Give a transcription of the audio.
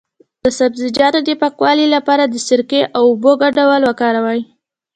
د سبزیجاتو د پاکوالي لپاره د سرکې او اوبو ګډول وکاروئ